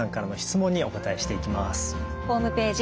ホームページ